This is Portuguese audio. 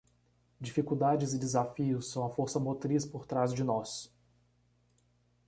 Dificuldades e desafios são a força motriz por trás de nós